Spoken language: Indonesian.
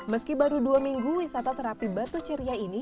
meski baru dua minggu wisata terapi batu ceria ini